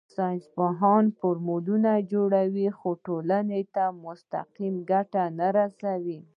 ساینسپوه فورمول جوړوي خو ټولنې ته مستقیمه ګټه نه رسوي.